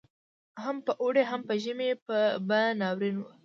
هم په اوړي هم په ژمي به ناورین وو